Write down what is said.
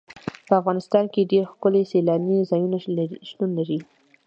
په افغانستان کې ډېر ښکلي سیلاني ځایونه شتون لري.